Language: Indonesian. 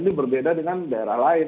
ini berbeda dengan daerah lain